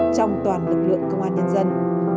trong toàn lực lượng công an nhân dân